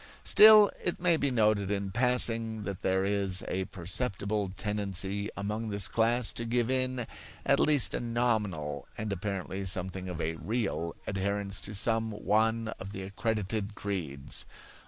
Still, it may be noted in passing that there is a perceptible tendency among this class to give in at least a nominal, and apparently something of a real, adherence to some one of the accredited creeds.